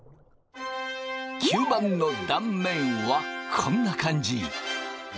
吸盤の断面はこんな感じ。